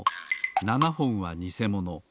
７ほんはにせもの。